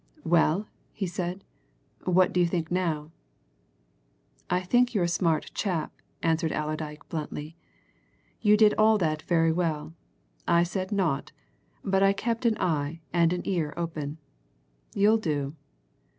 "Well?" he said. "What do you think now?" "I think you're a smart chap," answered Allerdyke bluntly. "You did all that very well. I said naught, but I kept an eye and an ear open. You'll do."